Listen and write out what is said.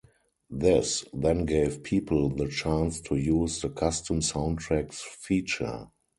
This then gave people the chance to use the custom soundtracks feature.